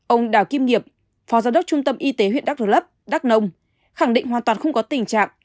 ông đào kim nghiệp phó giám đốc trung tâm y tế huyện đắk rơ lấp đắk nông khẳng định hoàn toàn không có tình trạng